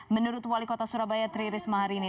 menurut wali kota surabaya tri risma hari ini